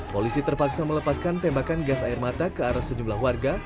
polisi terpaksa melepaskan tembakan gas air mata ke arah sejumlah warga